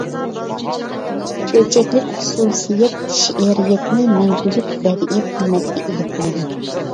چۆچەكلىك خۇسۇسىيەت شېئىرىيەتنى مەڭگۈلۈك بەدىئىي قىممەتكە ئىگە قىلىدۇ.